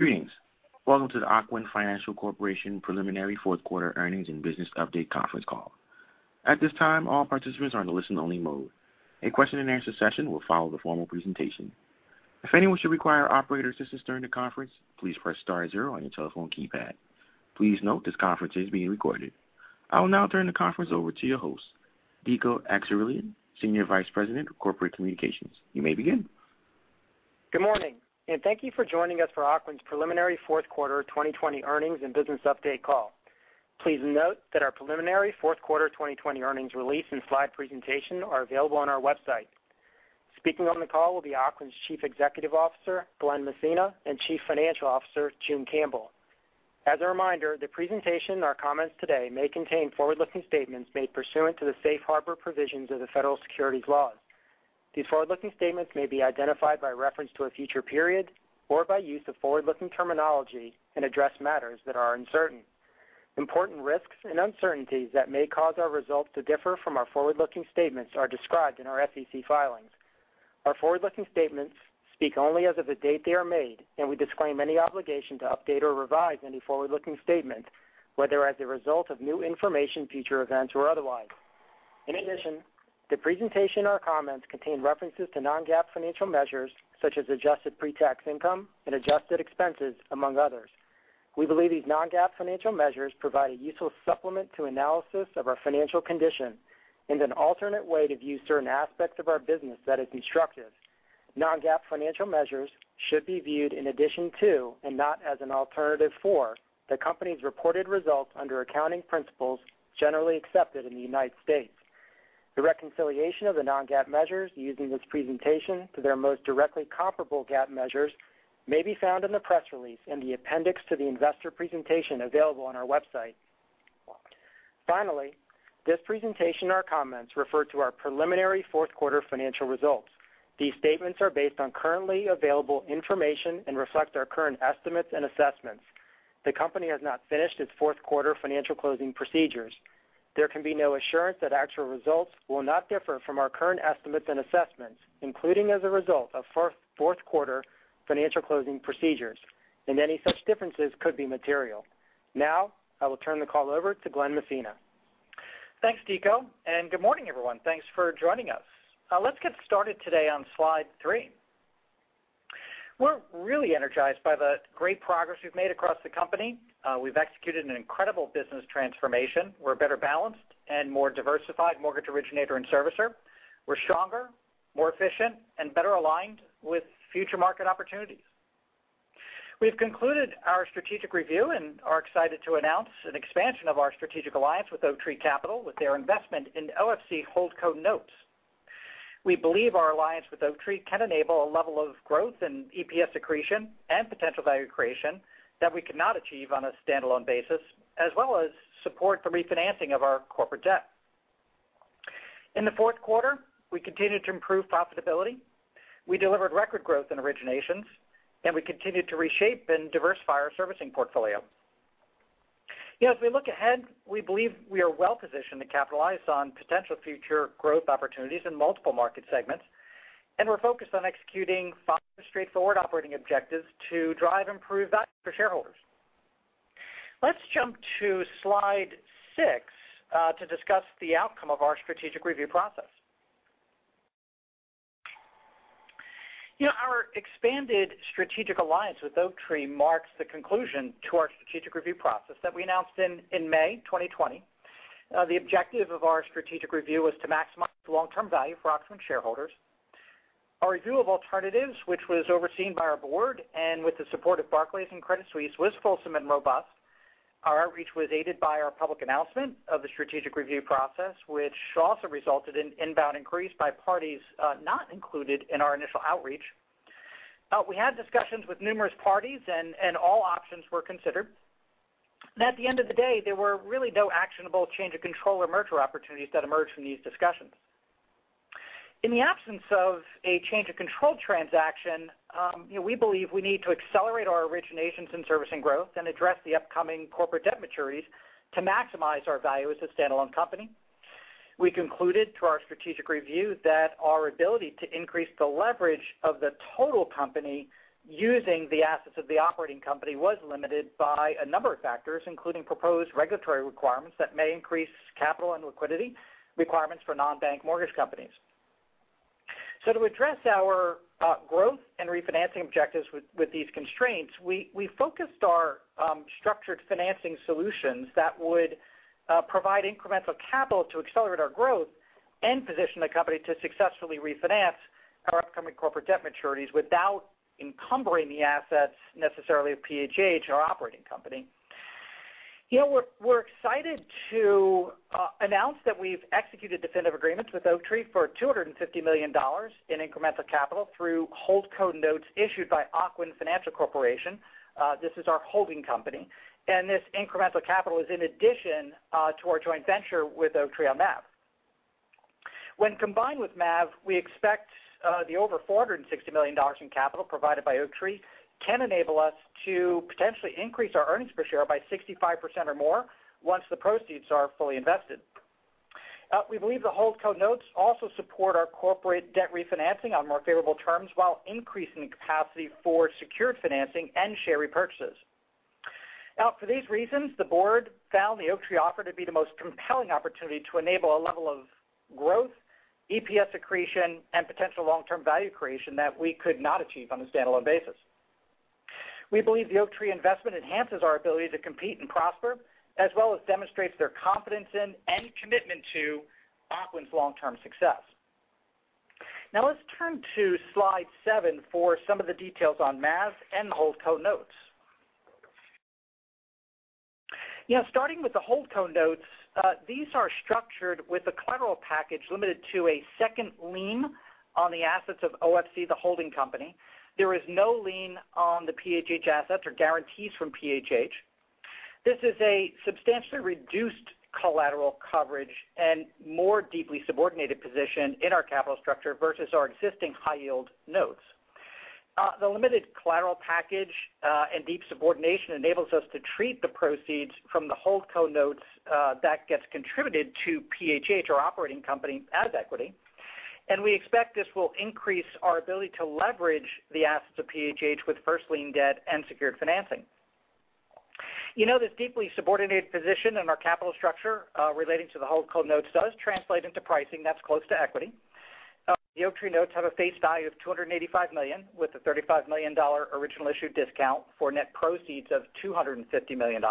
Greetings. Welcome to the Ocwen Financial Corporation preliminary fourth quarter earnings And business update conference call. At this time, all participants are in listen only mode. A question and answer session will follow the formal presentation. If anyone should require operator assistance during the conference, please press star zero on your telephone keypad. Please note this conference is being recorded. I will now turn the conference over to your host, Dico Akseraylian, Senior Vice President of Corporate Communications. You may begin. Good morning, thank you for joining us for Ocwen's preliminary fourth quarter 2020 earnings and business update call. Please note that our preliminary fourth quarter 2020 earnings release and slide presentation are available on our website. Speaking on the call will be Ocwen's Chief Executive Officer, Glen Messina, and Chief Financial Officer, June Campbell. As a reminder, the presentation and our comments today may contain forward-looking statements made pursuant to the safe harbor provisions of the federal securities laws. These forward-looking statements may be identified by reference to a future period or by use of forward-looking terminology and address matters that are uncertain. Important risks and uncertainties that may cause our results to differ from our forward-looking statements are described in our SEC filings. Our forward-looking statements speak only as of the date they are made, and we disclaim any obligation to update or revise any forward-looking statement, whether as a result of new information, future events, or otherwise. In addition, the presentation or comments contain references to non-GAAP financial measures such as adjusted pre-tax income and adjusted expenses, among others. We believe these non-GAAP financial measures provide a useful supplement to analysis of our financial condition and an alternate way to view certain aspects of our business that is instructive. Non-GAAP financial measures should be viewed in addition to and not as an alternative for the company's reported results under accounting principles generally accepted in the United States. The reconciliation of the non-GAAP measures using this presentation to their most directly comparable GAAP measures may be found in the press release in the appendix to the investor presentation available on our website. Finally, this presentation or comments refer to our preliminary fourth quarter financial results. These statements are based on currently available information and reflect our current estimates and assessments. The company has not finished its fourth quarter financial closing procedures. There can be no assurance that actual results will not differ from our current estimates and assessments, including as a result of fourth quarter financial closing procedures, and any such differences could be material. Now, I will turn the call over to Glen Messina. Thanks, Dico, and good morning, everyone. Thanks for joining us. Let's get started today on slide three. We're really energized by the great progress we've made across the company. We've executed an incredible business transformation. We're a better balanced and more diversified mortgage originator and servicer. We're stronger, more efficient, and better aligned with future market opportunities. We've concluded our strategic review and are excited to announce an expansion of our strategic alliance with Oaktree Capital, with their investment in OFC holdco notes. We believe our alliance with Oaktree can enable a level of growth in EPS accretion and potential value creation that we could not achieve on a standalone basis, as well as support the refinancing of our corporate debt. In the fourth quarter, we continued to improve profitability. We delivered record growth in originations, and we continued to reshape and diversify our servicing portfolio. As we look ahead, we believe we are well positioned to capitalize on potential future growth opportunities in multiple market segments, and we're focused on executing five straightforward operating objectives to drive improved value for shareholders. Let's jump to slide six to discuss the outcome of our strategic review process. Our expanded strategic alliance with Oaktree marks the conclusion to our strategic review process that we announced in May 2020. The objective of our strategic review was to maximize the long-term value for Ocwen shareholders. Our review of alternatives, which was overseen by our board and with the support of Barclays and Credit Suisse, was fulsome and robust. Our outreach was aided by our public announcement of the strategic review process, which also resulted in inbound inquiries by parties not included in our initial outreach. We had discussions with numerous parties and all options were considered. At the end of the day, there were really no actionable change of control or merger opportunities that emerged from these discussions. In the absence of a change of control transaction, we believe we need to accelerate our originations in servicing growth and address the upcoming corporate debt maturities to maximize our value as a standalone company. We concluded through our strategic review that our ability to increase the leverage of the total company using the assets of the operating company was limited by a number of factors, including proposed regulatory requirements that may increase capital and liquidity requirements for non-bank mortgage companies. To address our growth and refinancing objectives with these constraints, we focused our structured financing solutions that would provide incremental capital to accelerate our growth and position the company to successfully refinance our upcoming corporate debt maturities without encumbering the assets necessarily of PHH, our operating company. We're excited to announce that we've executed definitive agreements with Oaktree for $250 million in incremental capital through holdco notes issued by Ocwen Financial Corporation. This is our holding company. This incremental capital is in addition to our joint venture with Oaktree on MAV. When combined with MAV, we expect the over $460 million in capital provided by Oaktree can enable us to potentially increase our earnings per share by 65% or more once the proceeds are fully invested. We believe the holdco notes also support our corporate debt refinancing on more favorable terms while increasing capacity for secured financing and share repurchases. For these reasons, the board found the Oaktree offer to be the most compelling opportunity to enable a level of growth, EPS accretion, and potential long-term value creation that we could not achieve on a standalone basis. We believe the Oaktree investment enhances our ability to compete and prosper, as well as demonstrates their confidence in and commitment to Ocwen's long-term success. Let's turn to slide seven for some of the details on MAV and the holdco notes. Starting with the holdco notes, these are structured with a collateral package limited to a second lien on the assets of OFC, the holding company. There is no lien on the PHH assets or guarantees from PHH. This is a substantially reduced collateral coverage and more deeply subordinated position in our capital structure versus our existing high-yield notes. The limited collateral package and deep subordination enables us to treat the proceeds from the holdco notes that gets contributed to PHH, our operating company, as equity, and we expect this will increase our ability to leverage the assets of PHH with first lien debt and secured financing. This deeply subordinated position in our capital structure relating to the holdco notes does translate into pricing that's close to equity. The Oaktree notes have a face value of $285 million, with a $35 million original issue discount for net proceeds of $250 million.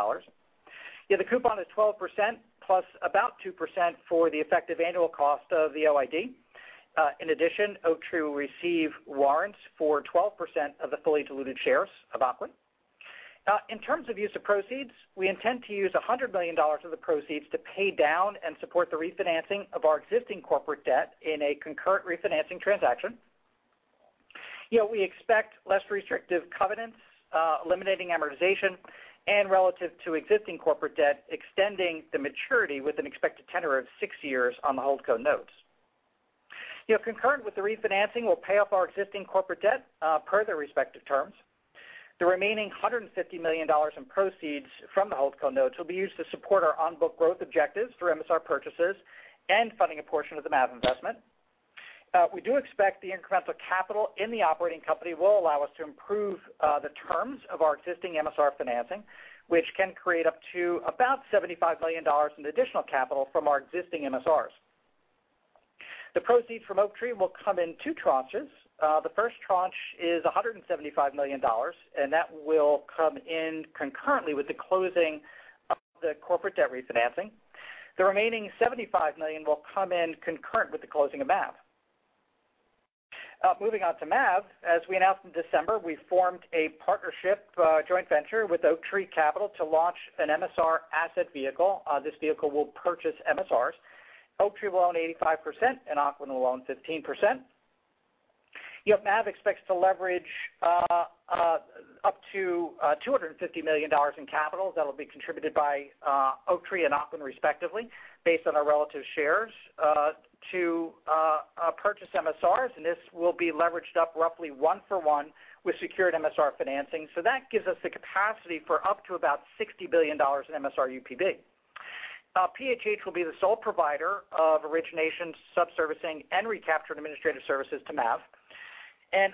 The coupon is 12%+about 2% for the effective annual cost of the OID. In addition, Oaktree will receive warrants for 12% of the fully diluted shares of Ocwen. In terms of use of proceeds, we intend to use $100 million of the proceeds to pay down and support the refinancing of our existing corporate debt in a concurrent refinancing transaction. We expect less restrictive covenants, eliminating amortization, and relative to existing corporate debt, extending the maturity with an expected tenor of six years on the holdco notes. Concurrent with the refinancing, we'll pay off our existing corporate debt per their respective terms. The remaining $150 million in proceeds from the holdco notes will be used to support our on-book growth objectives through MSR purchases and funding a portion of the MAV investment. We do expect the incremental capital in the operating company will allow us to improve the terms of our existing MSR financing, which can create up to about $75 million in additional capital from our existing MSRs. The proceeds from Oaktree will come in two tranches. The first tranche is $175 million, and that will come in concurrently with the closing of the corporate debt refinancing. The remaining $75 million will come in concurrent with the closing of MAV. Moving on to MAV. As we announced in December, we formed a partnership joint venture with Oaktree Capital to launch an MSR asset vehicle. This vehicle will purchase MSRs. Oaktree will own 85%, and Ocwen will own 15%. MAV expects to leverage up to $250 million in capital that will be contributed by Oaktree and Ocwen, respectively, based on our relative shares, to purchase MSRs, and this will be leveraged up roughly one for one with secured MSR financing. That gives us the capacity for up to about $60 billion in MSR UPB. PHH will be the sole provider of origination, subservicing, and recaptured administrative services to MAV.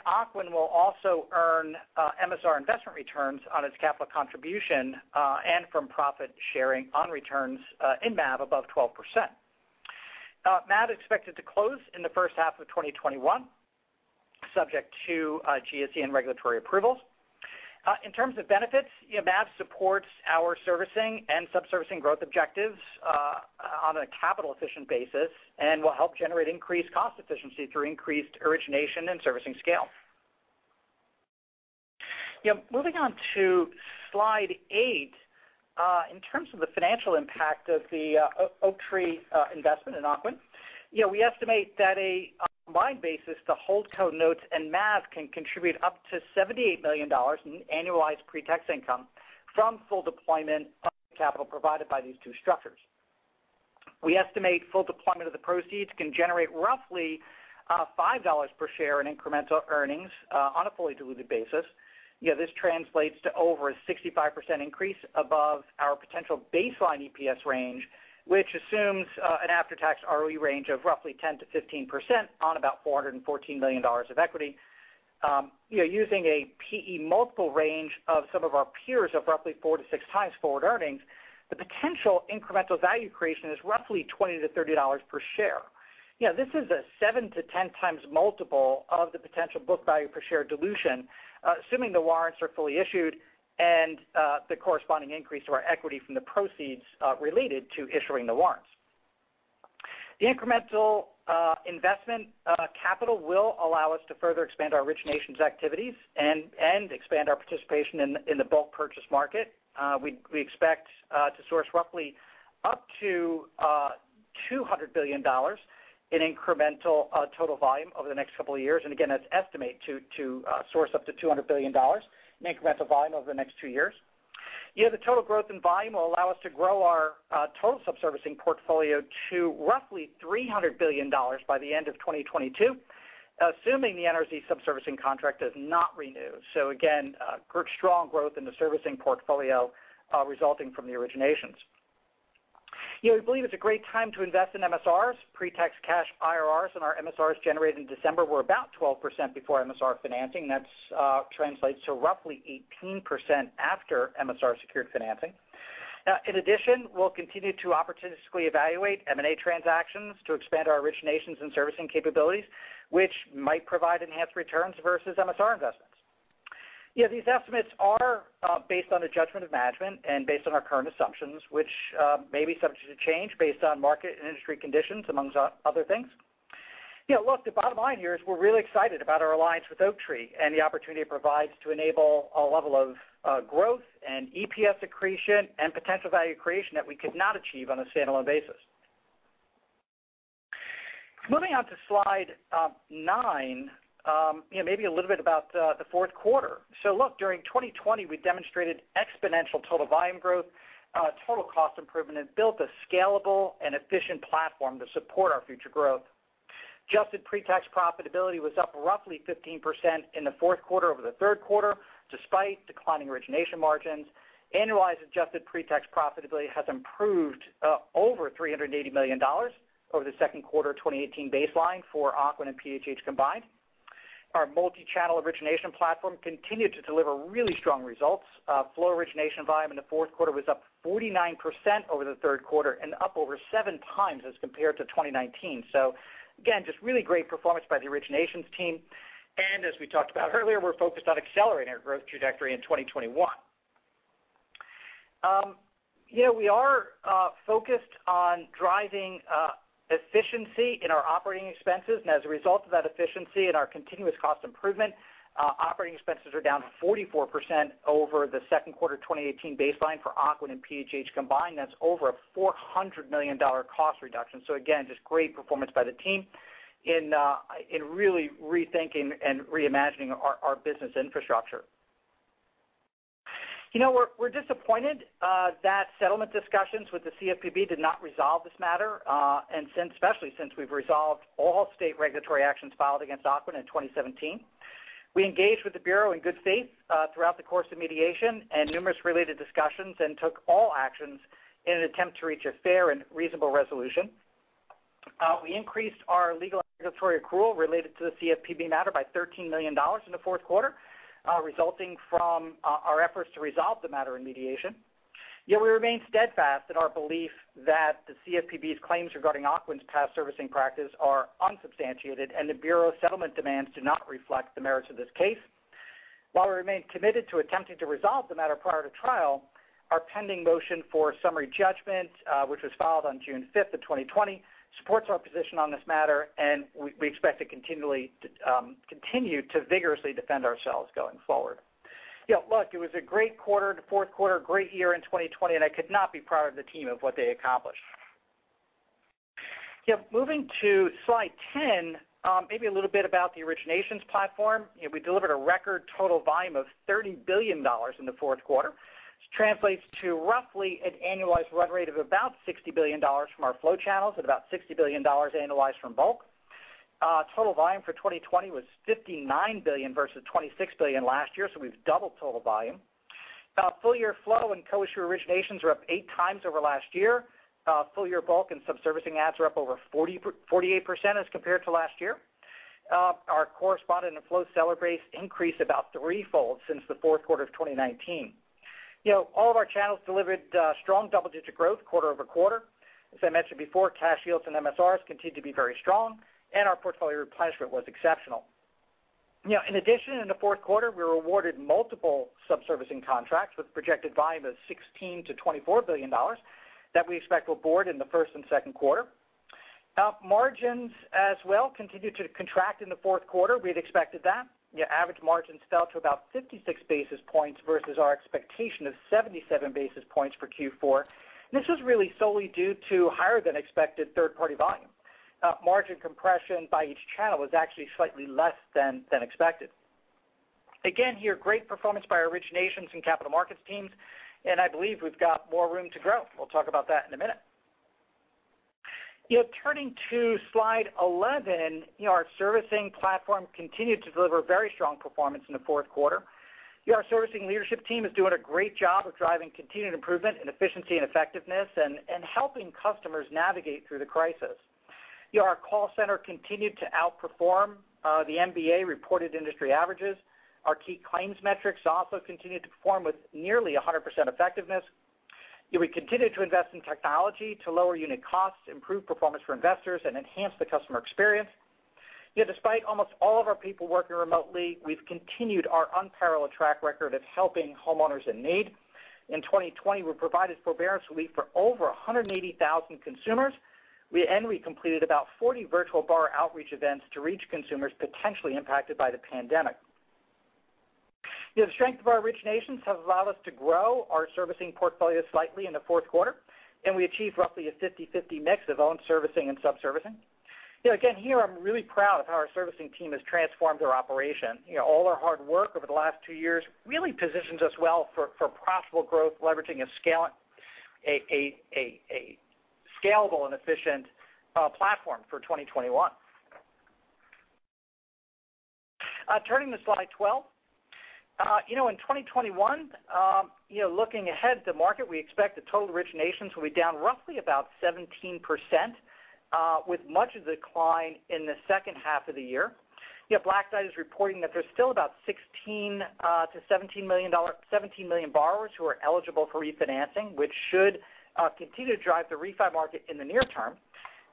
Ocwen will also earn MSR investment returns on its capital contribution and from profit-sharing on returns in MAV above 12%. MAV is expected to close in the first half of 2021, subject to GSE and regulatory approvals. In terms of benefits, MAV supports our servicing and subservicing growth objectives on a capital-efficient basis and will help generate increased cost efficiency through increased origination and servicing scale. Moving on to slide eight. In terms of the financial impact of the Oaktree investment in Ocwen, we estimate that a combined basis, the holdco notes and MAV can contribute up to $78 million in annualized pre-tax income from full deployment of capital provided by these two structures. We estimate full deployment of the proceeds can generate roughly $5 per share in incremental earnings on a fully diluted basis. This translates to over a 65% increase above our potential baseline EPS range, which assumes an after-tax ROE range of roughly 10%-15% on about $414 million of equity. Using a P/E multiple range of some of our peers of roughly 4 to 6x forward earnings, the potential incremental value creation is roughly $20-$30 per share. This is a 7 to 10x multiple of the potential book value per share dilution, assuming the warrants are fully issued and the corresponding increase to our equity from the proceeds related to issuing the warrants. The incremental investment capital will allow us to further expand our originations activities and expand our participation in the bulk purchase market. We expect to source roughly up to $200 billion in incremental total volume over the next couple of years. Again, that's estimate to source up to $200 billion in incremental volume over the next two years. The total growth in volume will allow us to grow our total subservicing portfolio to roughly $300 billion by the end of 2022. Assuming the NRZ subservicing contract is not renewed. Again, strong growth in the servicing portfolio resulting from the originations. We believe it's a great time to invest in MSRs. Pre-tax cash IRRs on our MSRs generated in December were about 12% before MSR financing. That translates to roughly 18% after MSR-secured financing. In addition, we'll continue to opportunistically evaluate M&A transactions to expand our originations and servicing capabilities, which might provide enhanced returns versus MSR investments. These estimates are based on the judgment of management and based on our current assumptions, which may be subject to change based on market and industry conditions, amongst other things. Look, the bottom line here is we're really excited about our alliance with Oaktree and the opportunity it provides to enable a level of growth and EPS accretion and potential value creation that we could not achieve on a standalone basis. Moving on to slide nine, maybe a little bit about the fourth quarter. Look, during 2020, we demonstrated exponential total volume growth, total cost improvement, and built a scalable and efficient platform to support our future growth. Adjusted pre-tax profitability was up roughly 15% in the fourth quarter over the third quarter, despite declining origination margins. Annualized adjusted pre-tax profitability has improved over $380 million over the second quarter 2018 baseline for Ocwen and PHH combined. Our multi-channel origination platform continued to deliver really strong results. Flow origination volume in the fourth quarter was up 49% over the third quarter and up over 7x as compared to 2019. Again, just really great performance by the originations team. As we talked about earlier, we're focused on accelerating our growth trajectory in 2021. We are focused on driving efficiency in our operating expenses. As a result of that efficiency and our continuous cost improvement, operating expenses are down 44% over the second quarter 2018 baseline for Ocwen and PHH combined. That's over a $400 million cost reduction. Again, just great performance by the team in really rethinking and reimagining our business infrastructure. We're disappointed that settlement discussions with the CFPB did not resolve this matter, and especially since we've resolved all state regulatory actions filed against Ocwen in 2017. We engaged with the Bureau in good faith throughout the course of mediation and numerous related discussions and took all actions in an attempt to reach a fair and reasonable resolution. We increased our legal regulatory accrual related to the CFPB matter by $13 million in the fourth quarter, resulting from our efforts to resolve the matter in mediation. We remain steadfast in our belief that the CFPB's claims regarding Ocwen's past servicing practice are unsubstantiated and the Bureau's settlement demands do not reflect the merits of this case. We remain committed to attempting to resolve the matter prior to trial, our pending motion for summary judgment, which was filed on June 5th of 2020, supports our position on this matter, and we expect to continue to vigorously defend ourselves going forward. Look, it was a great quarter, the fourth quarter, great year in 2020. I could not be prouder of the team of what they accomplished. Moving to slide 10, maybe a little bit about the originations platform. We delivered a record total volume of $30 billion in the fourth quarter, which translates to roughly an annualized run rate of about $60 billion from our flow channels and about $60 billion annualized from bulk. Total volume for 2020 was $59 billion versus $26 billion last year, so we've doubled total volume. Full year flow and co-issue originations are up 8x over last year. Full year bulk and subservicing adds are up over 48% as compared to last year. Our correspondent and flow seller base increased about three-fold since the fourth quarter of 2019. All of our channels delivered strong double-digit growth quarter-over-quarter. As I mentioned before, cash yields and MSRs continue to be very strong, and our portfolio replenishment was exceptional. In addition, in the fourth quarter, we were awarded multiple subservicing contracts with projected volume of $16 billion-$24 billion that we expect will board in the first and second quarter. Margins as well continued to contract in the fourth quarter. We had expected that. Average margins fell to about 56 basis points versus our expectation of 77 basis points for Q4. This was really solely due to higher than expected third-party volume. Margin compression by each channel was actually slightly less than expected. Again, here, great performance by our originations and capital markets teams, and I believe we've got more room to grow. We'll talk about that in a minute. Turning to slide 11, our servicing platform continued to deliver very strong performance in the fourth quarter. Our servicing leadership team is doing a great job of driving continued improvement in efficiency and effectiveness and helping customers navigate through the crisis. Our call center continued to outperform the MBA-reported industry averages. Our key claims metrics also continued to perform with nearly 100% effectiveness. We continue to invest in technology to lower unit costs, improve performance for investors, and enhance the customer experience. Despite almost all of our people working remotely, we've continued our unparalleled track record of helping homeowners in need. In 2020, we provided forbearance relief for over 180,000 consumers. We completed about 40 virtual borrower outreach events to reach consumers potentially impacted by the pandemic. The strength of our originations have allowed us to grow our servicing portfolio slightly in the fourth quarter, and we achieved roughly a 50/50 mix of own servicing and subservicing. Again, here, I'm really proud of how our servicing team has transformed their operation. All our hard work over the last two years really positions us well for profitable growth, leveraging a scalable and efficient platform for 2021. Turning to slide 12. In 2021, looking ahead at the market, we expect the total originations will be down roughly about 17%, with much of the decline in the second half of the year. Black Knight is reporting that there's s-till about $16 million-$17 million, 17 million borrowers who are eligible for refinancing, which should continue to drive the refi market in the near-term.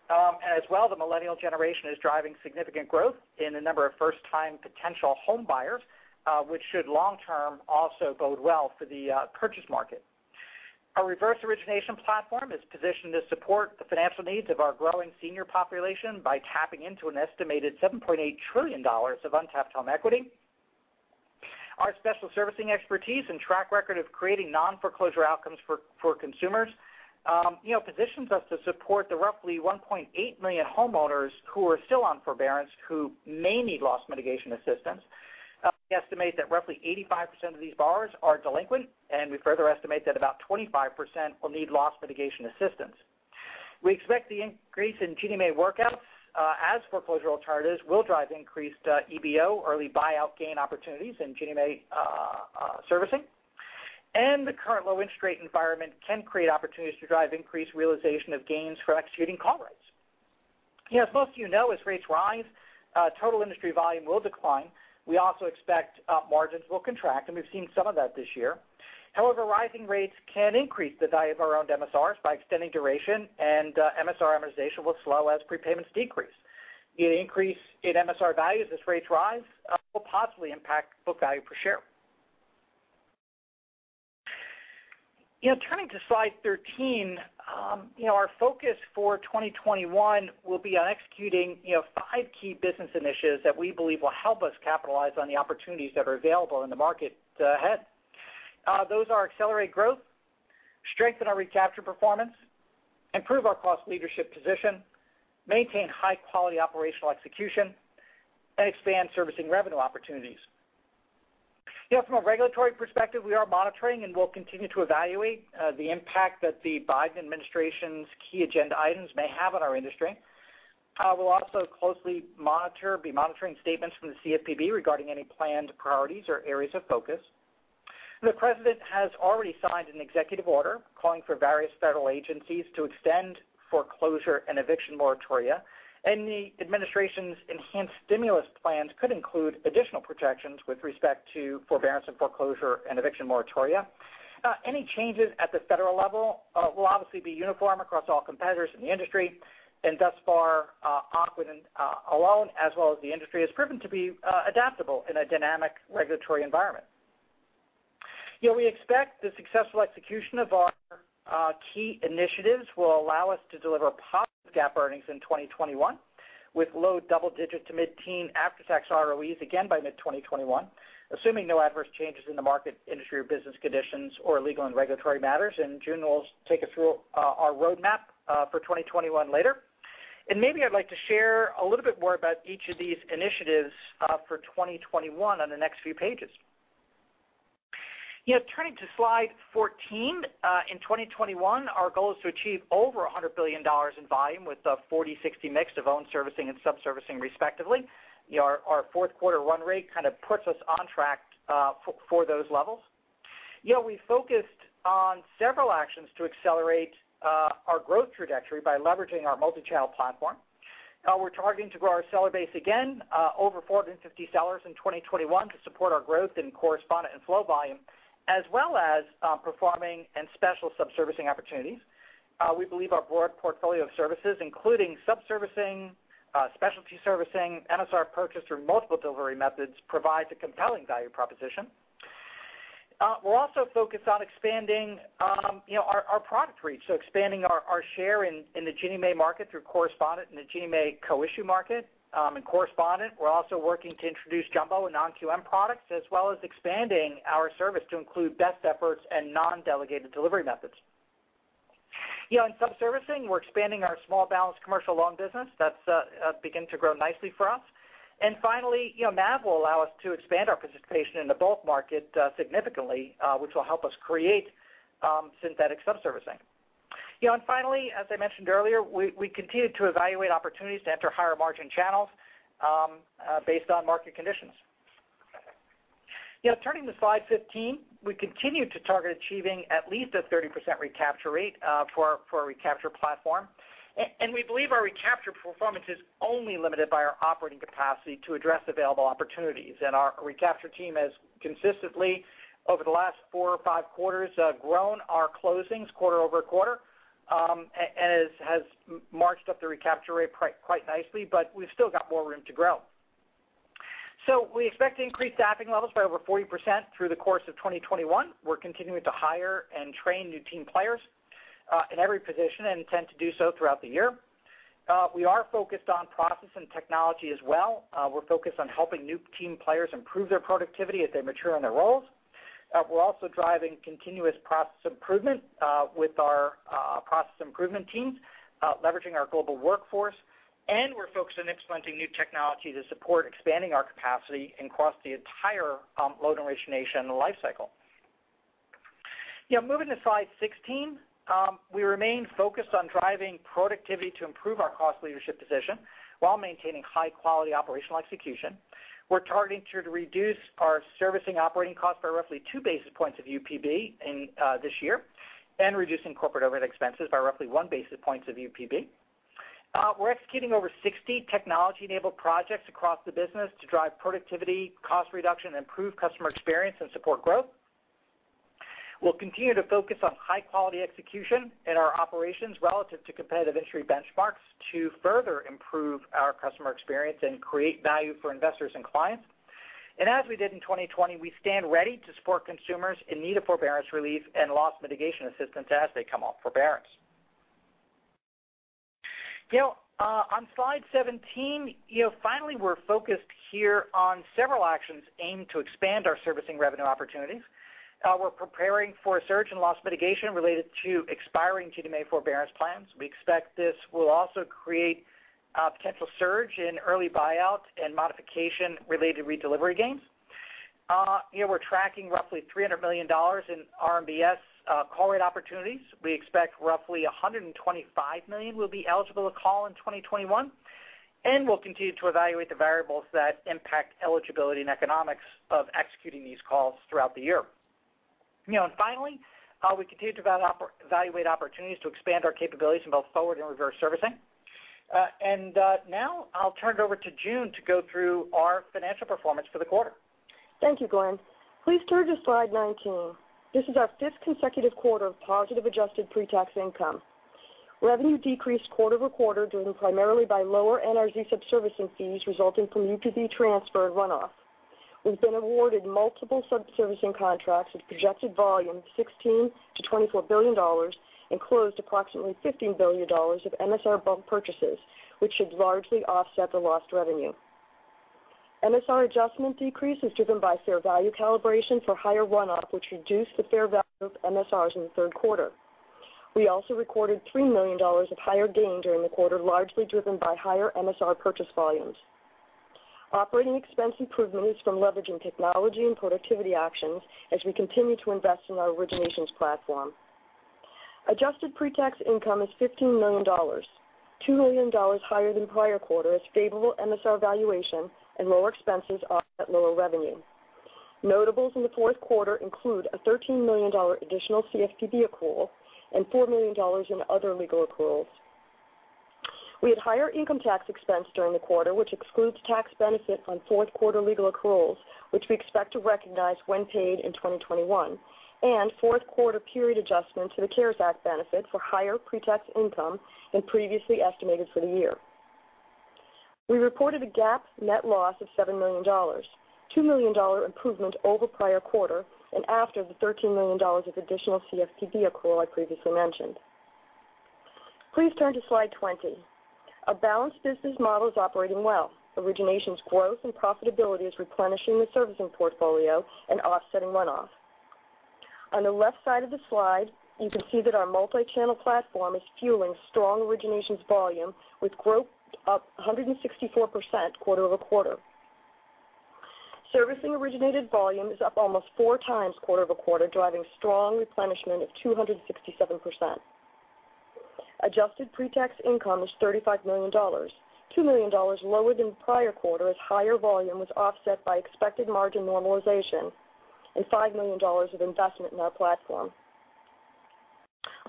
The millennial generation is driving significant growth in the number of first-time potential homebuyers, which should long-term also bode well for the purchase market. Our reverse origination platform is positioned to support the financial needs of our growing senior population by tapping into an estimated $7.8 trillion of untapped home equity. Our special servicing expertise and track record of creating non-foreclosure outcomes for consumers positions us to support the roughly 1.8 million homeowners who are still on forbearance, who may need loss mitigation assistance. We estimate that roughly 85% of these borrowers are delinquent, and we further estimate that about 25% will need loss mitigation assistance. We expect the increase in Ginnie Mae workouts as foreclosure alternatives will drive increased EBO, early buyout gain opportunities in Ginnie Mae servicing. The current low interest rate environment can create opportunities to drive increased realization of gains from executing call rights. As most of you know, as rates rise, total industry volume will decline. We also expect margins will contract, and we've seen some of that this year. However, rising rates can increase the value of our owned MSRs by extending duration, and MSR amortization will slow as prepayments decrease. The increase in MSR values as rates rise will positively impact book value per share. Turning to slide 13. Our focus for 2021 will be on executing five key business initiatives that we believe will help us capitalize on the opportunities that are available in the market ahead. Those are accelerate growth, strengthen our recapture performance, improve our cost leadership position, maintain high-quality operational execution, and expand servicing revenue opportunities. From a regulatory perspective, we are monitoring and will continue to evaluate the impact that the Biden administration's key agenda items may have on our industry. We'll also closely be monitoring statements from the CFPB regarding any planned priorities or areas of focus. The President has already signed an executive order calling for various federal agencies to extend foreclosure and eviction moratoria, and the administration's enhanced stimulus plans could include additional protections with respect to forbearance and foreclosure and eviction moratoria. Any changes at the federal level will obviously be uniform across all competitors in the industry, and thus far, Ocwen alone, as well as the industry, has proven to be adaptable in a dynamic regulatory environment. We expect the successful execution of our key initiatives will allow us to deliver positive GAAP earnings in 2021, with low double digits to mid-teen after-tax ROEs again by mid-2021, assuming no adverse changes in the market, industry, or business conditions or legal and regulatory matters. June will take us through our roadmap for 2021 later. Maybe I'd like to share a little bit more about each of these initiatives for 2021 on the next few pages. Turning to slide 14. In 2021, our goal is to achieve over $100 billion in volume with a 40/60 mix of own servicing and subservicing, respectively. Our fourth quarter run rate kind of puts us on track for those levels. We focused on several actions to accelerate our growth trajectory by leveraging our multi-channel platform. We're targeting to grow our seller base again over 450 sellers in 2021 to support our growth in correspondent and flow volume, as well as performing and special subservicing opportunities. We believe our broad portfolio of services, including subservicing, specialty servicing, MSR purchase through multiple delivery methods, provides a compelling value proposition. We're also focused on expanding our product reach, so expanding our share in the Ginnie Mae market through correspondent and the Ginnie Mae co-issue market. In correspondent, we're also working to introduce jumbo and non-QM products, as well as expanding our service to include best efforts and non-delegated delivery methods. In subservicing, we're expanding our small balance commercial loan business. That's beginning to grow nicely for us. Finally, MAV will allow us to expand our participation in the bulk market significantly, which will help us create synthetic subservicing. Finally, as I mentioned earlier, we continue to evaluate opportunities to enter higher-margin channels based on market conditions. Turning to slide 15. We continue to target achieving at least a 30% recapture rate for our recapture platform. We believe our recapture performance is only limited by our operating capacity to address available opportunities. Our recapture team has consistently, over the last four or five quarters, grown our closings quarter-over-quarter. And has marched up the recapture rate quite nicely, but we've still got more room to grow. We expect to increase staffing levels by over 40% through the course of 2021. We're continuing to hire and train new team players in every position and intend to do so throughout the year. We are focused on process and technology as well. We're focused on helping new team players improve their productivity as they mature in their roles. We're also driving continuous process improvement with our process improvement teams, leveraging our global workforce. We're focused on implementing new technology to support expanding our capacity across the entire loan origination and lifecycle. Moving to slide 16, we remain focused on driving productivity to improve our cost leadership position while maintaining high-quality operational execution. We're targeting to reduce our servicing operating costs by roughly two basis points of UPB in this year and reducing corporate overhead expenses by roughly one basis point of UPB. We're executing over 60 technology-enabled projects across the business to drive productivity, cost reduction, and improve customer experience and support growth. We'll continue to focus on high-quality execution in our operations relative to competitive industry benchmarks to further improve our customer experience and create value for investors and clients. As we did in 2020, we stand ready to support consumers in need of forbearance relief and loss mitigation assistance as they come off forbearance. On slide 17, finally, we're focused here on several actions aimed to expand our servicing revenue opportunities. We're preparing for a surge in loss mitigation related to expiring TDMA forbearance plans. We expect this will also create a potential surge in early buyout and modification-related redelivery gains. We're tracking roughly $300 million in RMBS call rate opportunities. We expect roughly $125 million will be eligible to call in 2021, and we'll continue to evaluate the variables that impact eligibility and economics of executing these calls throughout the year. Finally, we continue to evaluate opportunities to expand our capabilities in both forward and reverse servicing. Now I'll turn it over to June to go through our financial performance for the quarter. Thank you, Glen. Please turn to slide 19. This is our fifth consecutive quarter of positive adjusted pre-tax income. Revenue decreased quarter-over-quarter, driven primarily by lower NRZ subservicing fees resulting from UPB transfer and runoff. We've been awarded multiple subservicing contracts with projected volume $16 billion-$24 billion and closed approximately $15 billion of MSR bulk purchases, which should largely offset the lost revenue. MSR adjustment decrease is driven by fair value calibration for higher runoff, which reduced the fair value of MSRs in the third quarter. We also recorded $3 million of higher gain during the quarter, largely driven by higher MSR purchase volumes. Operating expense improvement is from leveraging technology and productivity actions as we continue to invest in our originations platform. Adjusted pre-tax income is $15 million, $2 million higher than prior quarter as favorable MSR valuation and lower expenses offset lower revenue. Notables in the fourth quarter include a $13 million additional CFPB accrual and $4 million in other legal accruals. We had higher income tax expense during the quarter, which excludes tax benefit on fourth quarter legal accruals, which we expect to recognize when paid in 2021, and fourth quarter period adjustment to the CARES Act benefit for higher pre-tax income than previously estimated for the year. We reported a GAAP net loss of $7 million, $2 million improvement over prior quarter and after the $13 million of additional CFPB accrual I previously mentioned. Please turn to slide 20. Our balanced business model is operating well. Originations growth and profitability is replenishing the servicing portfolio and offsetting runoff. On the left side of the slide, you can see that our multi-channel platform is fueling strong originations volume with growth up 164% quarter-over-quarter. Servicing originated volume is up almost 4x quarter-over-quarter, driving strong replenishment of 267%. Adjusted pre-tax income was $35 million, $2 million lower than the prior quarter as higher volume was offset by expected margin normalization and $5 million of investment in our platform.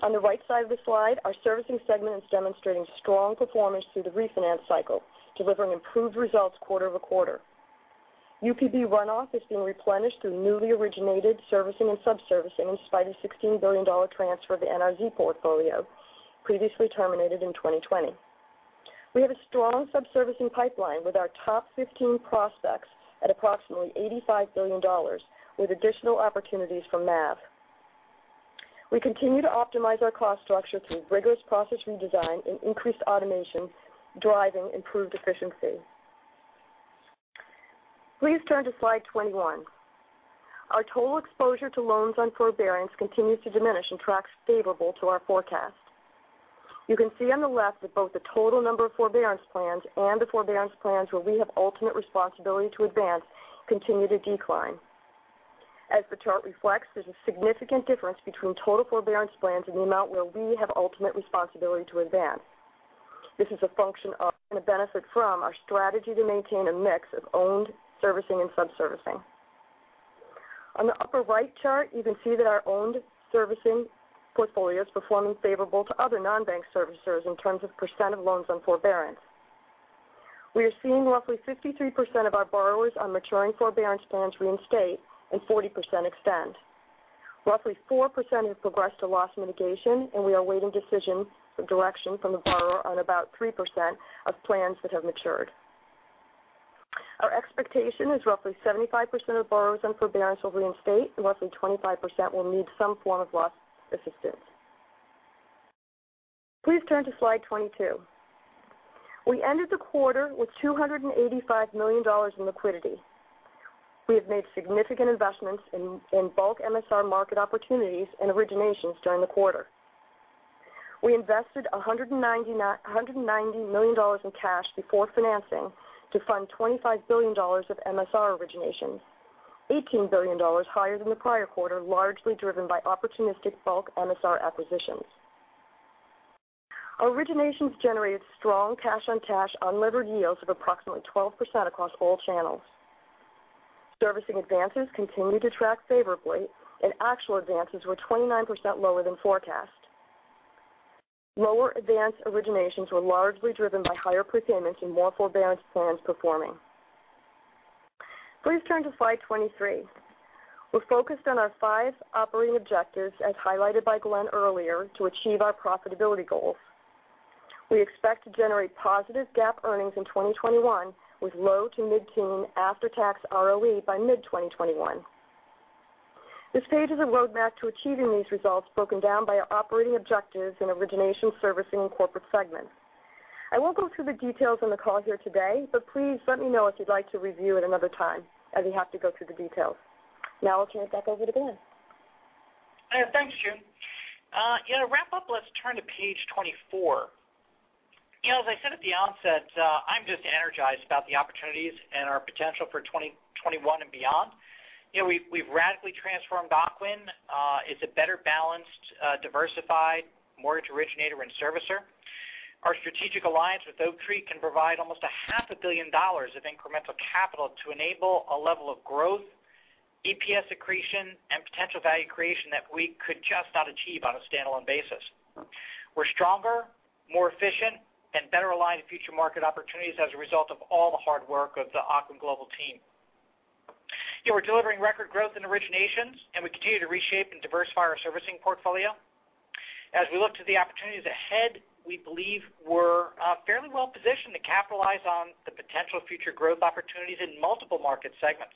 On the right side of the slide, our servicing segment is demonstrating strong performance through the refinance cycle, delivering improved results quarter-over-quarter. UPB runoff is being replenished through newly originated servicing and subservicing in spite of $16 billion transfer of the NRZ portfolio previously terminated in 2020. We have a strong subservicing pipeline with our top 15 prospects at approximately $85 billion with additional opportunities from MAV. We continue to optimize our cost structure through rigorous process redesign and increased automation, driving improved efficiency. Please turn to slide 21. Our total exposure to loans on forbearance continues to diminish and tracks favorable to our forecast. You can see on the left that both the total number of forbearance plans and the forbearance plans where we have ultimate responsibility to advance continue to decline. As the chart reflects, there's a significant difference between total forbearance plans and the amount where we have ultimate responsibility to advance. This is a function of and a benefit from our strategy to maintain a mix of owned servicing and subservicing. On the upper right chart, you can see that our owned servicing portfolio is performing favorable to other non-bank servicers in terms of percent of loans on forbearance. We are seeing roughly 53% of our borrowers on maturing forbearance plans reinstate and 40% extend. Roughly 4% have progressed to loss mitigation. We are awaiting decision for direction from the borrower on about 3% of plans that have matured. Our expectation is roughly 75% of borrowers on forbearance will reinstate and roughly 25% will need some form of loss assistance. Please turn to slide 22. We ended the quarter with $285 million in liquidity. We have made significant investments in bulk MSR market opportunities and originations during the quarter. We invested $190 million in cash before financing to fund $25 billion of MSR originations, $18 billion higher than the prior quarter, largely driven by opportunistic bulk MSR acquisitions. Originations generated strong cash-on-cash unlevered yields of approximately 12% across all channels. Servicing advances continued to track favorably. Actual advances were 29% lower than forecast. Lower advance originations were largely driven by higher prepayments and more forbearance plans performing. Please turn to slide 23. We're focused on our five operating objectives, as highlighted by Glen earlier, to achieve our profitability goals. We expect to generate positive GAAP earnings in 2021 with low to mid-teen after-tax ROE by mid-2021. This page is a roadmap to achieving these results, broken down by operating objectives in origination, servicing, and corporate segments. I won't go through the details on the call here today, but please let me know if you'd like to review at another time, as we have to go through the details. I'll turn it back over to Glen. Thanks, June. In a wrap up, let's turn to page 24. As I said at the onset, I'm just energized about the opportunities and our potential for 2021 and beyond. We've radically transformed Ocwen. It's a better balanced, diversified mortgage originator and servicer. Our strategic alliance with Oaktree can provide almost a $0.5 billion of incremental capital to enable a level of growth, EPS accretion, and potential value creation that we could just not achieve on a standalone basis. We're stronger, more efficient, and better aligned to future market opportunities as a result of all the hard work of the Ocwen global team. We're delivering record growth in originations, and we continue to reshape and diversify our servicing portfolio. As we look to the opportunities ahead, we believe we're fairly well positioned to capitalize on the potential future growth opportunities in multiple market segments.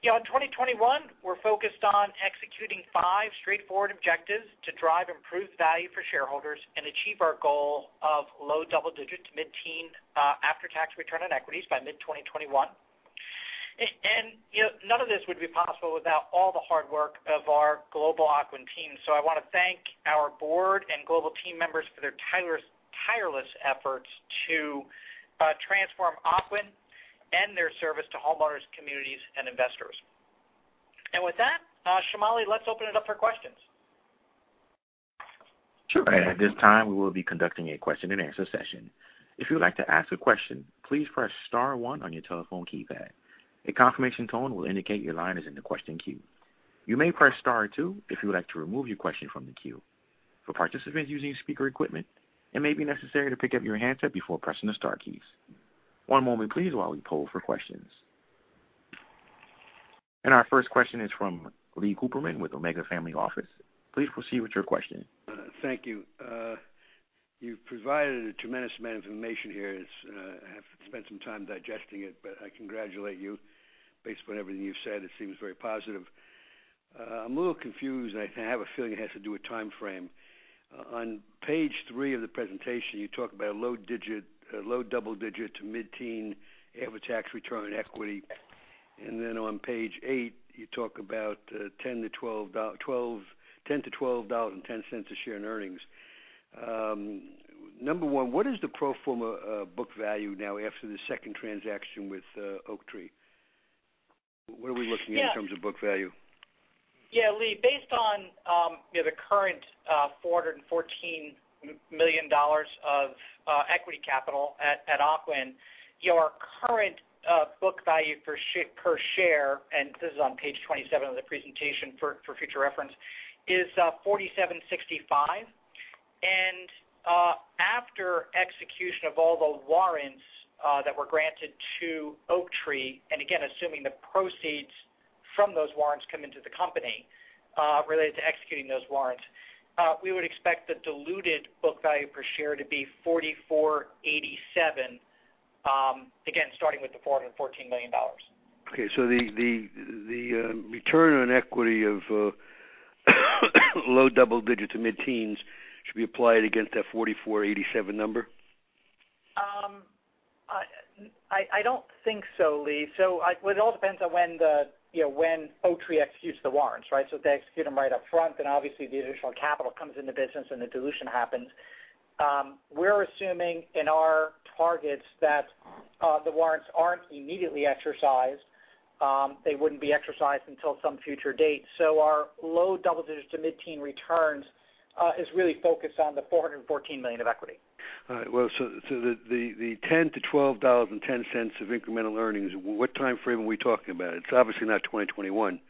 In 2021, we're focused on executing five straightforward objectives to drive improved value for shareholders and achieve our goal of low-double-digits to mid-teen after-tax return on equities by mid-2021. None of this would be possible without all the hard work of our global Ocwen team. I want to thank our board and global team members for their tireless efforts to transform Ocwen and their service to homeowners, communities, and investors. With that, Shamali, let's open it up for questions. Sure. At this time, we will be conducting a question and answer session. Our first question is from Lee Cooperman with Omega Family Office. Please proceed with your question. Thank you. You've provided a tremendous amount of information here. I have to spend some time digesting it, but I congratulate you. Based upon everything you've said, it seems very positive. I'm a little confused, and I have a feeling it has to do with timeframe. On page three of the presentation, you talk about low-double-digits to mid-teen after-tax return on equity, and then on page eight, you talk about $10-$12.10 a share in earnings. Number one, what is the pro forma book value now after the second transaction with Oaktree? What are we looking at in terms of book value? Yeah, Lee, based on the current $414 million of equity capital at Ocwen, our current book value per share, and this is on page 27 of the presentation for future reference, is $47.65. After execution of all the warrants that were granted to Oaktree, and again, assuming the proceeds from those warrants come into the company related to executing those warrants, we would expect the diluted book value per share to be $44.87, again, starting with the $414 million. Okay, the return on eqituy of low-double-digits to mid-teens should be applied against that $44.87 number? I don't think so, Lee. It all depends on when Oaktree executes the warrants, right? If they execute them right up front, obviously the additional capital comes in the business and the dilution happens. We're assuming in our targets that the warrants aren't immediately exercised. They wouldn't be exercised until some future date. Our low-double-digits to mid-teen returns is really focused on the $414 million of equity. All right. Well, the $10-$12.10 of incremental earnings, what timeframe are we talking about? It's obviously not 2021.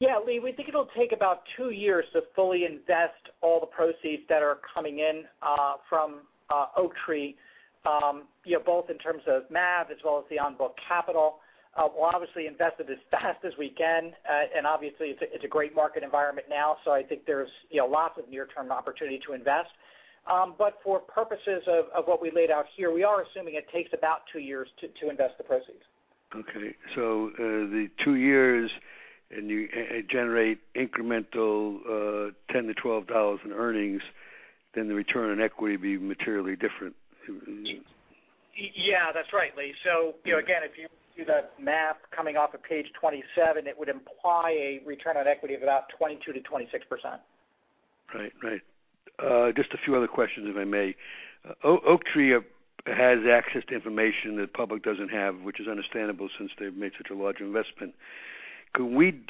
Yeah, Lee, we think it'll take about two years to fully invest all the proceeds that are coming in from Oaktree both in terms of MAV as well as the on-book capital. We'll obviously invest it as fast as we can, and obviously it's a great market environment now, so I think there's lots of near-term opportunity to invest. For purposes of what we laid out here, we are assuming it takes about two years to invest the proceeds. Okay. The two years, and you generate incremental $10-$12 in earnings, then the return on equity would be materially different. Yeah, that's right, Lee. Again, if you do the math coming off of page 27, it would imply a return on equity of about 22% -26%. Right. Just a few other questions, if I may. Oaktree has access to information that public doesn't have, which is understandable since they've made such a large investment. Could we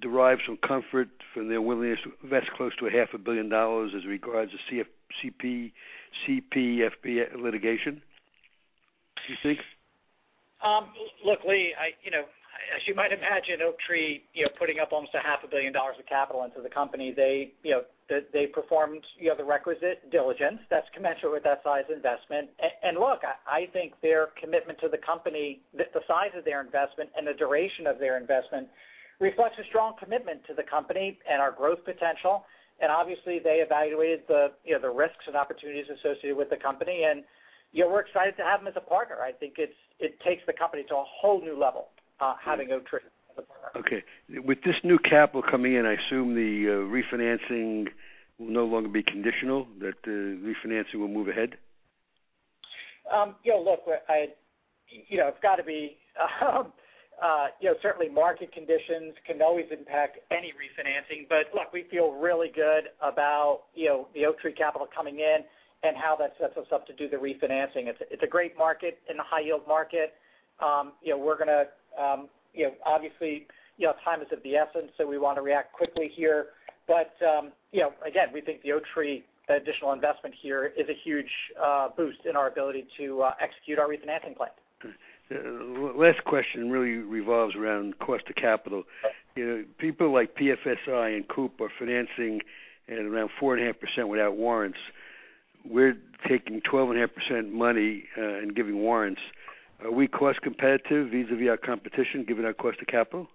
derive some comfort from their willingness to invest close to a $0.5 billion as regards to CFP litigation, do you think? Look, Lee, as you might imagine, Oaktree putting up almost a $0.5 billion of capital into the company, they performed the requisite diligence that's commensurate with that size investment. Look, I think their commitment to the company, the size of their investment, and the duration of their investment reflects a strong commitment to the company and our growth potential. Obviously, they evaluated the risks and opportunities associated with the company, and we're excited to have them as a partner. I think it takes the company to a whole new level, having Oaktree as a partner. Okay. With this new capital coming in, I assume the refinancing will no longer be conditional, that the refinancing will move ahead. Look, it's got to be certainly market conditions can always impact any refinancing. Look, we feel really good about the Oaktree Capital coming in and how that sets us up to do the refinancing. It's a great market in the high-yield market. Obviously, time is of the essence. We want to react quickly here. Again, we think the Oaktree additional investment here is a huge boost in our ability to execute our refinancing plan. Last question really revolves around cost of capital. People like PFSI and Coop are financing at around 4.5% without warrants. We're taking 12.5% money and giving warrants. Are we cost competitive vis-a-vis our competition, given our cost of capital?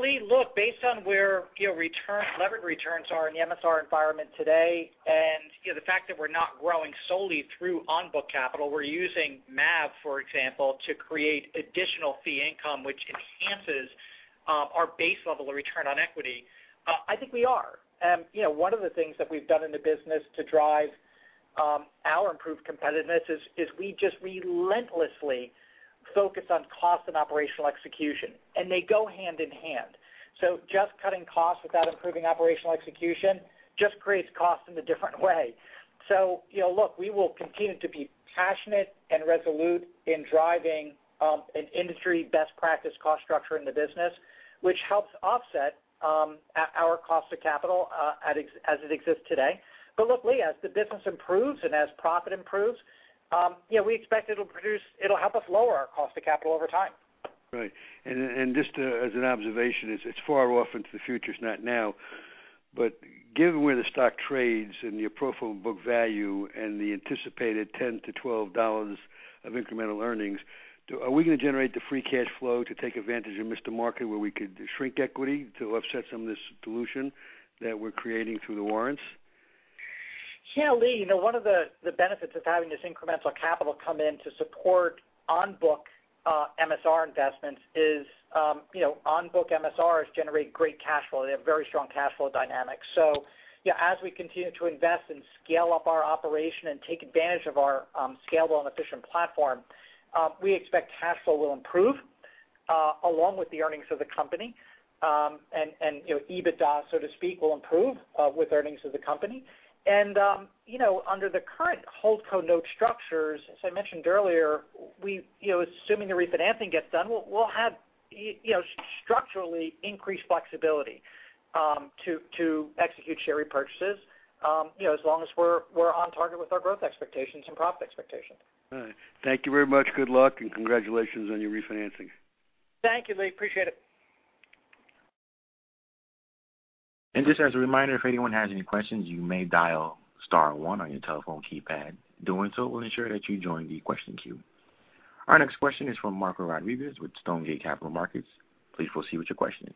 Lee, look, based on where levered returns are in the MSR environment today, and the fact that we're not growing solely through on-book capital. We're using MAV, for example, to create additional fee income which enhances our base level of return on equity. I think we are. One of the things that we've done in the business to drive our improved competitiveness is we just relentlessly focus on cost and operational execution, and they go hand in hand. Just cutting costs without improving operational execution just creates cost in a different way. Look, we will continue to be passionate and resolute in driving an industry best practice cost structure in the business, which helps offset our cost of capital as it exists today. Look, Lee, as the business improves and as profit improves, we expect it'll help us lower our cost of capital over time. Right. Just as an observation, it's far off into the future, it's not now. Given where the stock trades and your pro forma book value and the anticipated $10-$12 of incremental earnings, are we going to generate the free cash flow to take advantage of Mr. Market, where we could shrink equity to offset some of this dilution that we're creating through the warrants? Yeah, Lee, one of the benefits of having this incremental capital come in to support on-book MSR investments is on-book MSRs generate great cash flow. They have very strong cash flow dynamics. Yeah, as we continue to invest and scale up our operation and take advantage of our scalable and efficient platform, we expect cash flow will improve along with the earnings of the company. EBITDA, so to speak, will improve with earnings of the company. Under the current holdco note structures, as I mentioned earlier, assuming the refinancing gets done, we'll have structurally increased flexibility to execute share repurchases as long as we're on target with our growth expectations and profit expectations. All right. Thank you very much. Good luck, and congratulations on your refinancing. Thank you, Lee. Appreciate it. Just as a reminder, if anyone has any questions, you may dial star one on your telephone keypad. Doing so will ensure that you join the question queue. Our next question is from Marco Rodriguez with Stonegate Capital Markets. Please proceed with your question.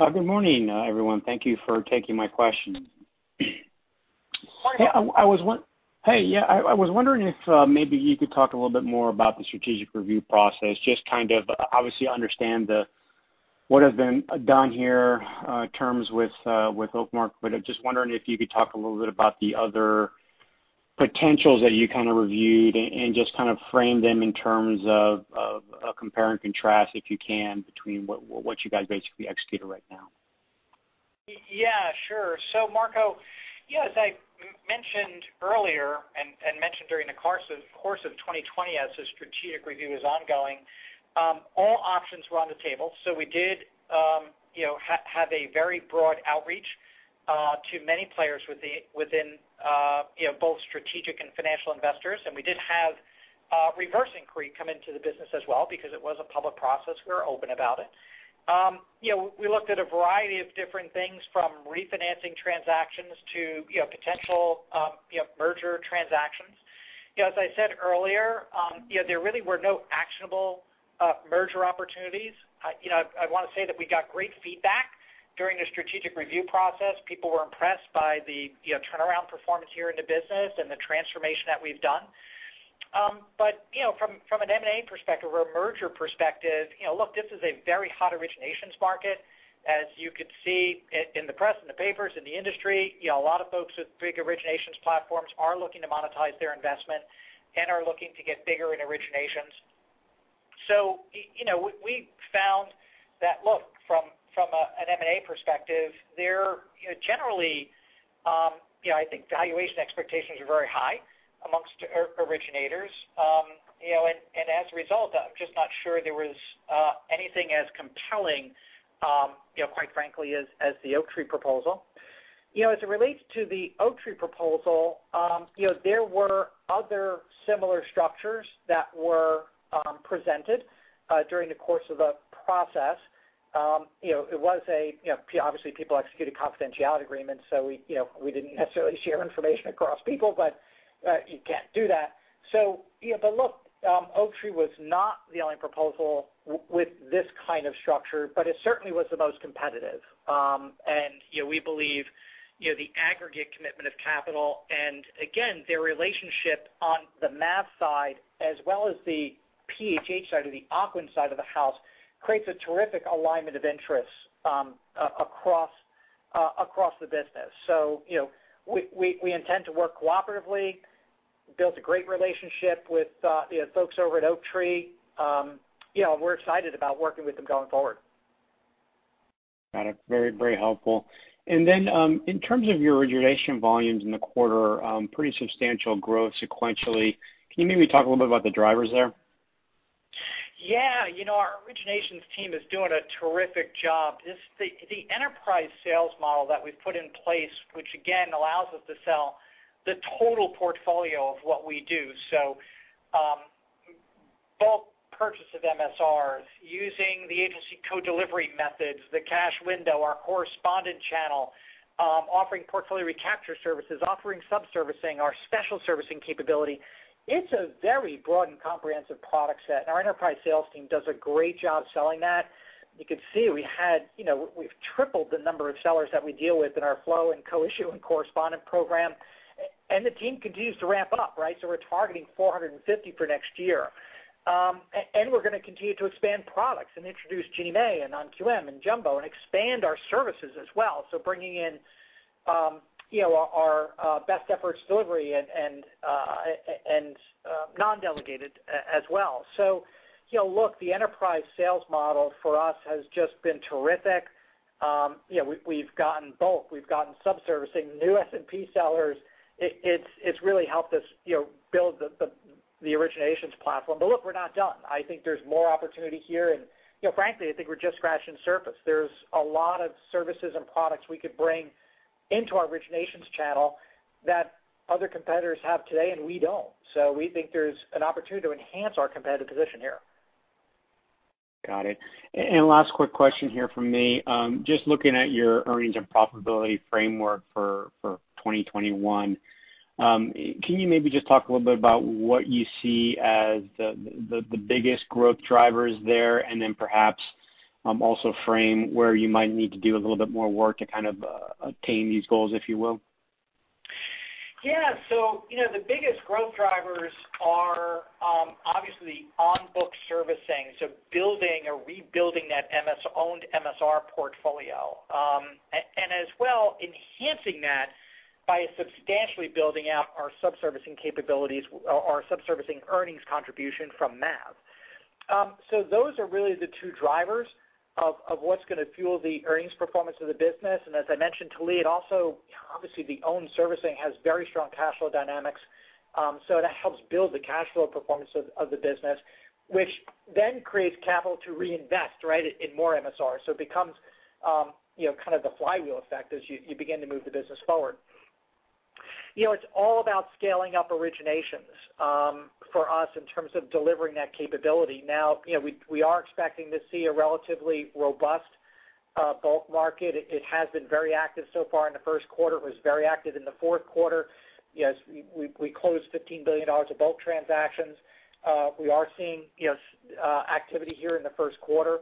Good morning, everyone. Thank you for taking my question. Morning. Hey, I was wondering if maybe you could talk a little bit more about the strategic review process. Just kind of obviously understand what has been done here, terms with Oaktree, but just wondering if you could talk a little bit about the other potentials that you kind of reviewed and just kind of frame them in terms of a compare and contrast, if you can, between what you guys basically executed right now? Yeah, sure. Marco, as I mentioned earlier and mentioned during the course of 2020 as the strategic review is ongoing, all options were on the table. We did have a very broad outreach to many players within both strategic and financial investors. We did have reverse inquiry come into the business as well because it was a public process. We were open about it. We looked at a variety of different things from refinancing transactions to potential merger transactions. As I said earlier, there really were no actionable merger opportunities. I want to say that we got great feedback during the strategic review process. People were impressed by the turnaround performance here in the business and the transformation that we've done. From an M&A perspective or a merger perspective, look, this is a very hot originations market. As you could see in the press, in the papers, in the industry, a lot of folks with big originations platforms are looking to monetize their investment and are looking to get bigger in originations. We found that, look, from an M&A perspective, there generally, I think valuation expectations are very high amongst originators. As a result, I'm just not sure there was anything as compelling, quite frankly, as the Oaktree proposal. As it relates to the Oaktree proposal, there were other similar structures that were presented during the course of the process. Obviously people executed confidentiality agreements, so we didn't necessarily share information across people, but you can't do that. Look, Oaktree was not the only proposal with this kind of structure, but it certainly was the most competitive. We believe the aggregate commitment of capital and again, their relationship on the MAV side as well as the PHH side or the Ocwen side of the house, creates a terrific alignment of interests across the business. We intend to work cooperatively. We built a great relationship with the folks over at Oaktree. We're excited about working with them going forward. Got it. Very helpful. In terms of your origination volumes in the quarter, pretty substantial growth sequentially. Can you maybe talk a little bit about the drivers there? Yeah. Our originations team is doing a terrific job. The enterprise sales model that we've put in place, which again allows us to sell the total portfolio of what we do. Bulk purchase of MSRs, using the agency co-delivery methods, the cash window, our correspondent channel, offering portfolio recapture services, offering sub-servicing, our special servicing capability. It's a very broad and comprehensive product set, and our enterprise sales team does a great job selling that. You could see we've tripled the number of sellers that we deal with in our flow and co-issue and correspondent program. The team continues to ramp up, right? We're targeting 450 for next year. We're going to continue to expand products and introduce Ginnie Mae and non-QM and jumbo and expand our services as well, so bringing in our best efforts delivery and non-delegated as well. Look, the enterprise sales model for us has just been terrific. We've gotten bulk, we've gotten sub-servicing, new S&P sellers. It's really helped us build the originations platform. Look, we're not done. I think there's more opportunity here, and frankly, I think we're just scratching the surface. There's a lot of services and products we could bring into our originations channel that other competitors have today and we don't. We think there's an opportunity to enhance our competitive position here. Got it. Last quick question here from me. Just looking at your earnings and profitability framework for 2021, can you maybe just talk a little bit about what you see as the biggest growth drivers there? Then perhaps, also frame where you might need to do a little bit more work to kind of attain these goals, if you will? Yeah. The biggest growth drivers are, obviously on book servicing. Building or rebuilding that MS-owned MSR portfolio. As well, enhancing that by substantially building out our sub-servicing capabilities or our sub-servicing earnings contribution from MAV. Those are really the two drivers of what's going to fuel the earnings performance of the business. As I mentioned, Tali, it also, obviously the owned servicing has very strong cash flow dynamics. That helps build the cash flow performance of the business. Which then creates capital to reinvest, right, in more MSRs. It becomes kind of the flywheel effect as you begin to move the business forward. It's all about scaling up originations for us in terms of delivering that capability. Now, we are expecting to see a relatively robust bulk market. It has been very active so far in the first quarter. It was very active in the fourth quarter. We closed $15 billion of bulk transactions. We are seeing activity here in the first quarter.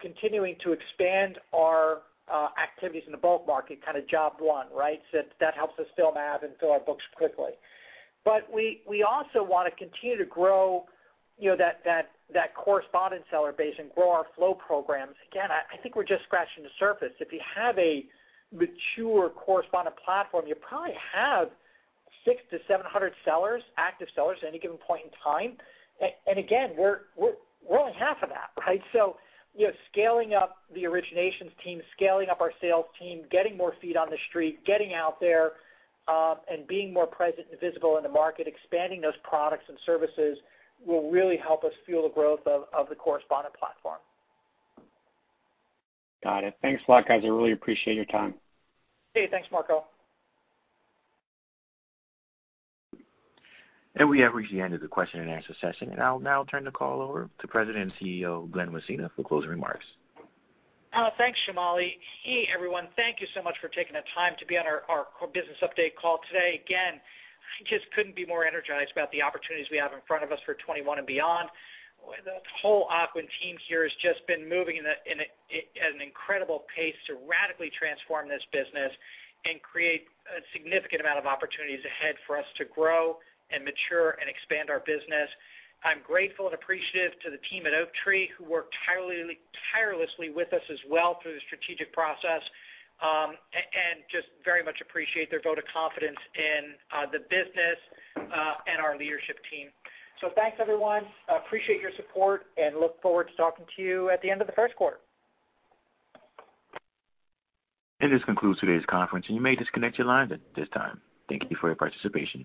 Continuing to expand our activities in the bulk market, kind of job one, right? Since that helps us fill MAV and fill our books quickly. We also want to continue to grow that correspondent seller base and grow our flow programs. Again, I think we're just scratching the surface. If you have a mature correspondent platform, you probably have 600-700 sellers, active sellers, at any given point in time. Again, we're only half of that, right? Scaling up the originations team, scaling up our sales team, getting more feet on the street, getting out there, and being more present and visible in the market, expanding those products and services will really help us fuel the growth of the correspondent platform. Got it. Thanks a lot, guys. I really appreciate your time. Okay. Thanks, Marco. We have reached the end of the question and answer session. I'll now turn the call over to President and CEO, Glen Messina, for closing remarks. Thanks, Shamali. Hey, everyone. Thank you so much for taking the time to be on our core business update call today. Again, I just couldn't be more energized about the opportunities we have in front of us for 2021 and beyond. The whole Ocwen team here has just been moving at an incredible pace to radically transform this business and create a significant amount of opportunities ahead for us to grow and mature and expand our business. I'm grateful and appreciative to the team at Oaktree who worked tirelessly with us as well through the strategic process. Just very much appreciate their vote of confidence in the business and our leadership team. Thanks, everyone. Appreciate your support and look forward to talking to you at the end of the first quarter. This concludes today's conference, and you may disconnect your lines at this time. Thank you for your participation.